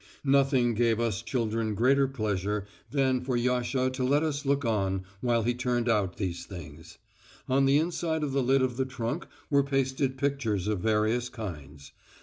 Nothing gave us children greater pleasure than for Yasha to let us look on while he turned out these things. On the inside of the lid of the trunk were pasted pictures of various kinds.